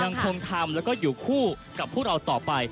ยังคงทำแล้วก็อยู่คู่กับพวกเราต่อไป